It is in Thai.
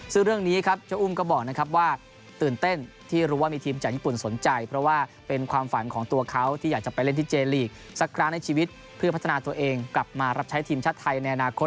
ซึ่งเรื่องนี้ครับเจ้าอุ้มก็บอกนะครับว่าตื่นเต้นที่รู้ว่ามีทีมจากญี่ปุ่นสนใจเพราะว่าเป็นความฝันของตัวเขาที่อยากจะไปเล่นที่เจลีกสักครั้งในชีวิตเพื่อพัฒนาตัวเองกลับมารับใช้ทีมชาติไทยในอนาคต